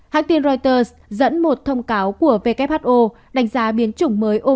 hãng tin reuters dẫn một thông cáo của who đánh giá biến chủng mới o